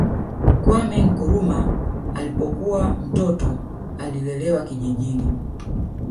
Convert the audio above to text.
Kwame Nkrumah alipokuwa Mtoto alilelewa kijijini